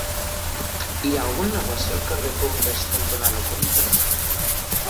Hi ha algun negoci al carrer Comtes cantonada Comtes?